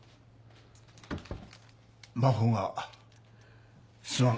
真帆がすまん。